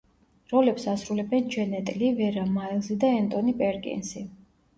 როლებს ასრულებენ ჯენეტ ლი, ვერა მაილზი და ენტონი პერკინსი.